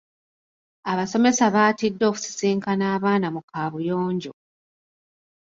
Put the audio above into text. Abasomesa baatidde okusisinkana abaana mu kaabuyonjo.